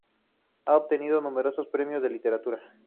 Ha obtenido numerosos premios de literatura.